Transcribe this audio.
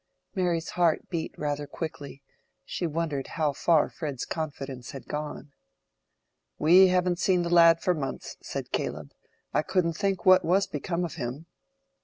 Mary's heart beat rather quickly: she wondered how far Fred's confidence had gone. "We haven't seen the lad for months," said Caleb. "I couldn't think what was become of him."